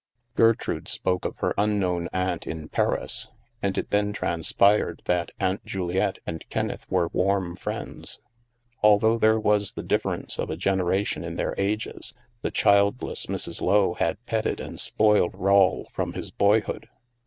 Gertrude spoke of her unknown aunt, in Paris, and it then transpired that Aunt Juliette and Kenneth were warm friends. Although there was the difference of a generation in their ages, the childless Mrs. Lowe had petted and spoiled Rawle from his boyhood.